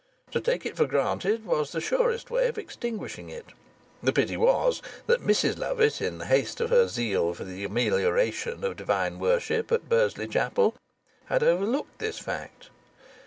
To take it for granted was the surest way of extinguishing it. The pity was that Mrs Lovatt, in the haste of her zeal for the amelioration of divine worship at Bursley Chapel, had overlooked this fact.